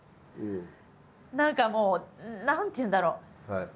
何かもう何ていうんだろう。